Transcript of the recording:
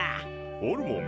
ホルモン？